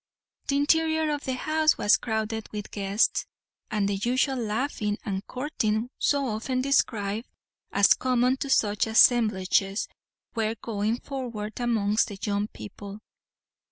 The interior of the house was crowded with guests, and the usual laughing and courting so often described, as common to such assemblages, were going forward amongst the young people.